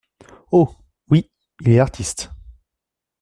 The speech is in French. Oh ! oui, il est artiste !